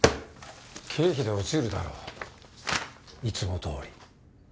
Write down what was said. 経費で落ちるだろいつもどおり。